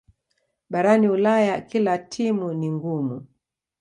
barani ulaya kila timu ni ngumu